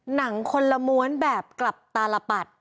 หนังคนละม้วนแบบกลับตาลปัด